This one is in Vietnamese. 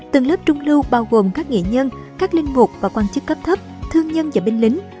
từng lớp trung lưu bao gồm các nghệ nhân các linh mục và quan chức cấp thấp thương nhân và binh lính